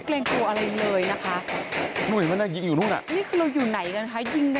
ครับครับว่าจะอาจจะไม่มีหยุดนะครับตอนนี้มากระมาณ๕๐นัทตอนนี้